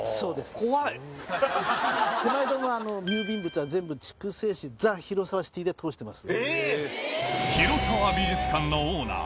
この間も郵便物は全部「筑西市ザ・ヒロサワ・シティ」で通してます。